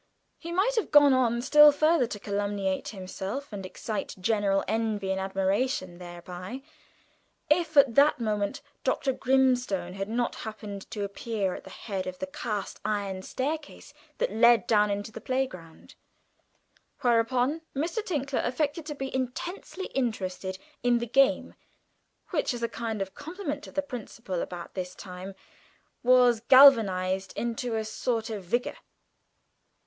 He might have gone on still further to calumniate himself, and excite general envy and admiration thereby, if at that moment Dr. Grimstone had not happened to appear at the head of the cast iron staircase that led down into the playground; whereupon Mr. Tinkler affected to be intensely interested in the game, which, as a kind of involuntary compliment to the principal, about this time was galvanised into a sort of vigour.